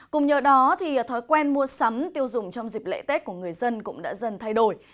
cùng nhờ đó thói quen mua sắm tiêu dùng trong dịp lễ tết của người dân cũng đã dần thay đổi